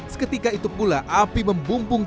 seketika itu pula api membumbung